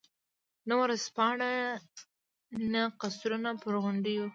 نه ورځپاڼه، نه قصرونه پر غونډیو.